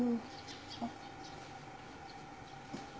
あっ。